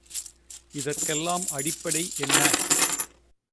இதற்கெல்லாம் அடிப்படை என்ன?